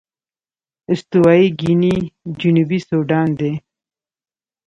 استوايي ګيني جنوبي سوډان دي.